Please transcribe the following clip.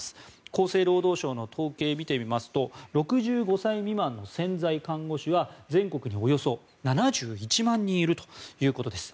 厚生労働省の統計を見てみますと６５歳未満の潜在看護師は全国におよそ７１万人いるということです。